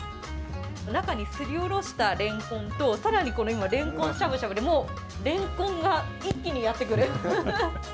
中にすりおろしたレンコンと、さらにこの今、レンコンしゃぶしゃぶで、もうレンコンが一気にやって来る。